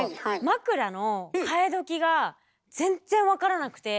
枕の替えどきが全然分からなくて。